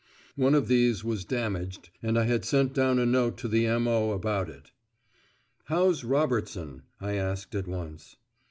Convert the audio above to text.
One of these was damaged, and I had sent down a note to the M.O. about it. "How's Robertson?" I asked at once.